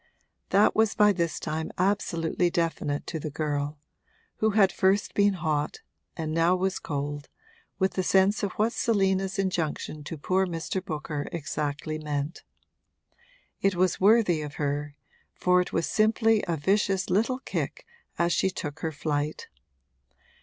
That was by this time absolutely definite to the girl, who had first been hot and now was cold with the sense of what Selina's injunction to poor Mr. Booker exactly meant. It was worthy of her, for it was simply a vicious little kick as she took her flight.